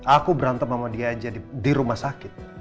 aku berantem sama dia aja di rumah sakit